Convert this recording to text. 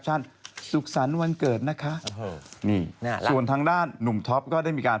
กระเทยเก่งกว่าเออแสดงความเป็นเจ้าข้าว